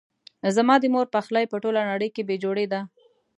زما د مور پخلی په ټوله نړۍ کې بي جوړي ده